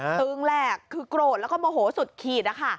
ตื้งแรกคือกลดและก็โมโหนสุดขีด